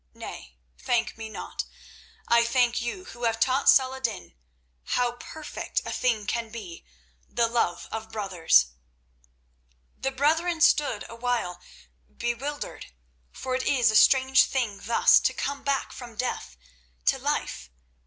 Nay, thank me not. I thank you who have taught Salah ed din how perfect a thing can be the love of brothers." The brethren stood awhile bewildered, for it is a strange thing thus to come back from death to life.